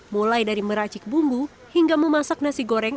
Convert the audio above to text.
mulai dari meracik bumbu hingga memasak nasi goreng